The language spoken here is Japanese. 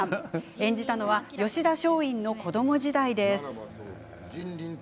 演じたのは吉田松陰の子ども時代です。